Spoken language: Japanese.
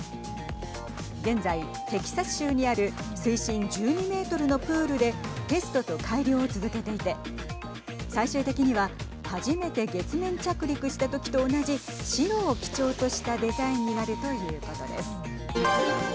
現在、テキサス州にある水深１２メートルのプールでテストと改良を続けていて最終的には初めて月面着陸した時と同じ白を基調としたデザインになるということです。